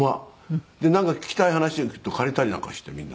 でなんか聴きたい話を借りたりなんかしてみんな。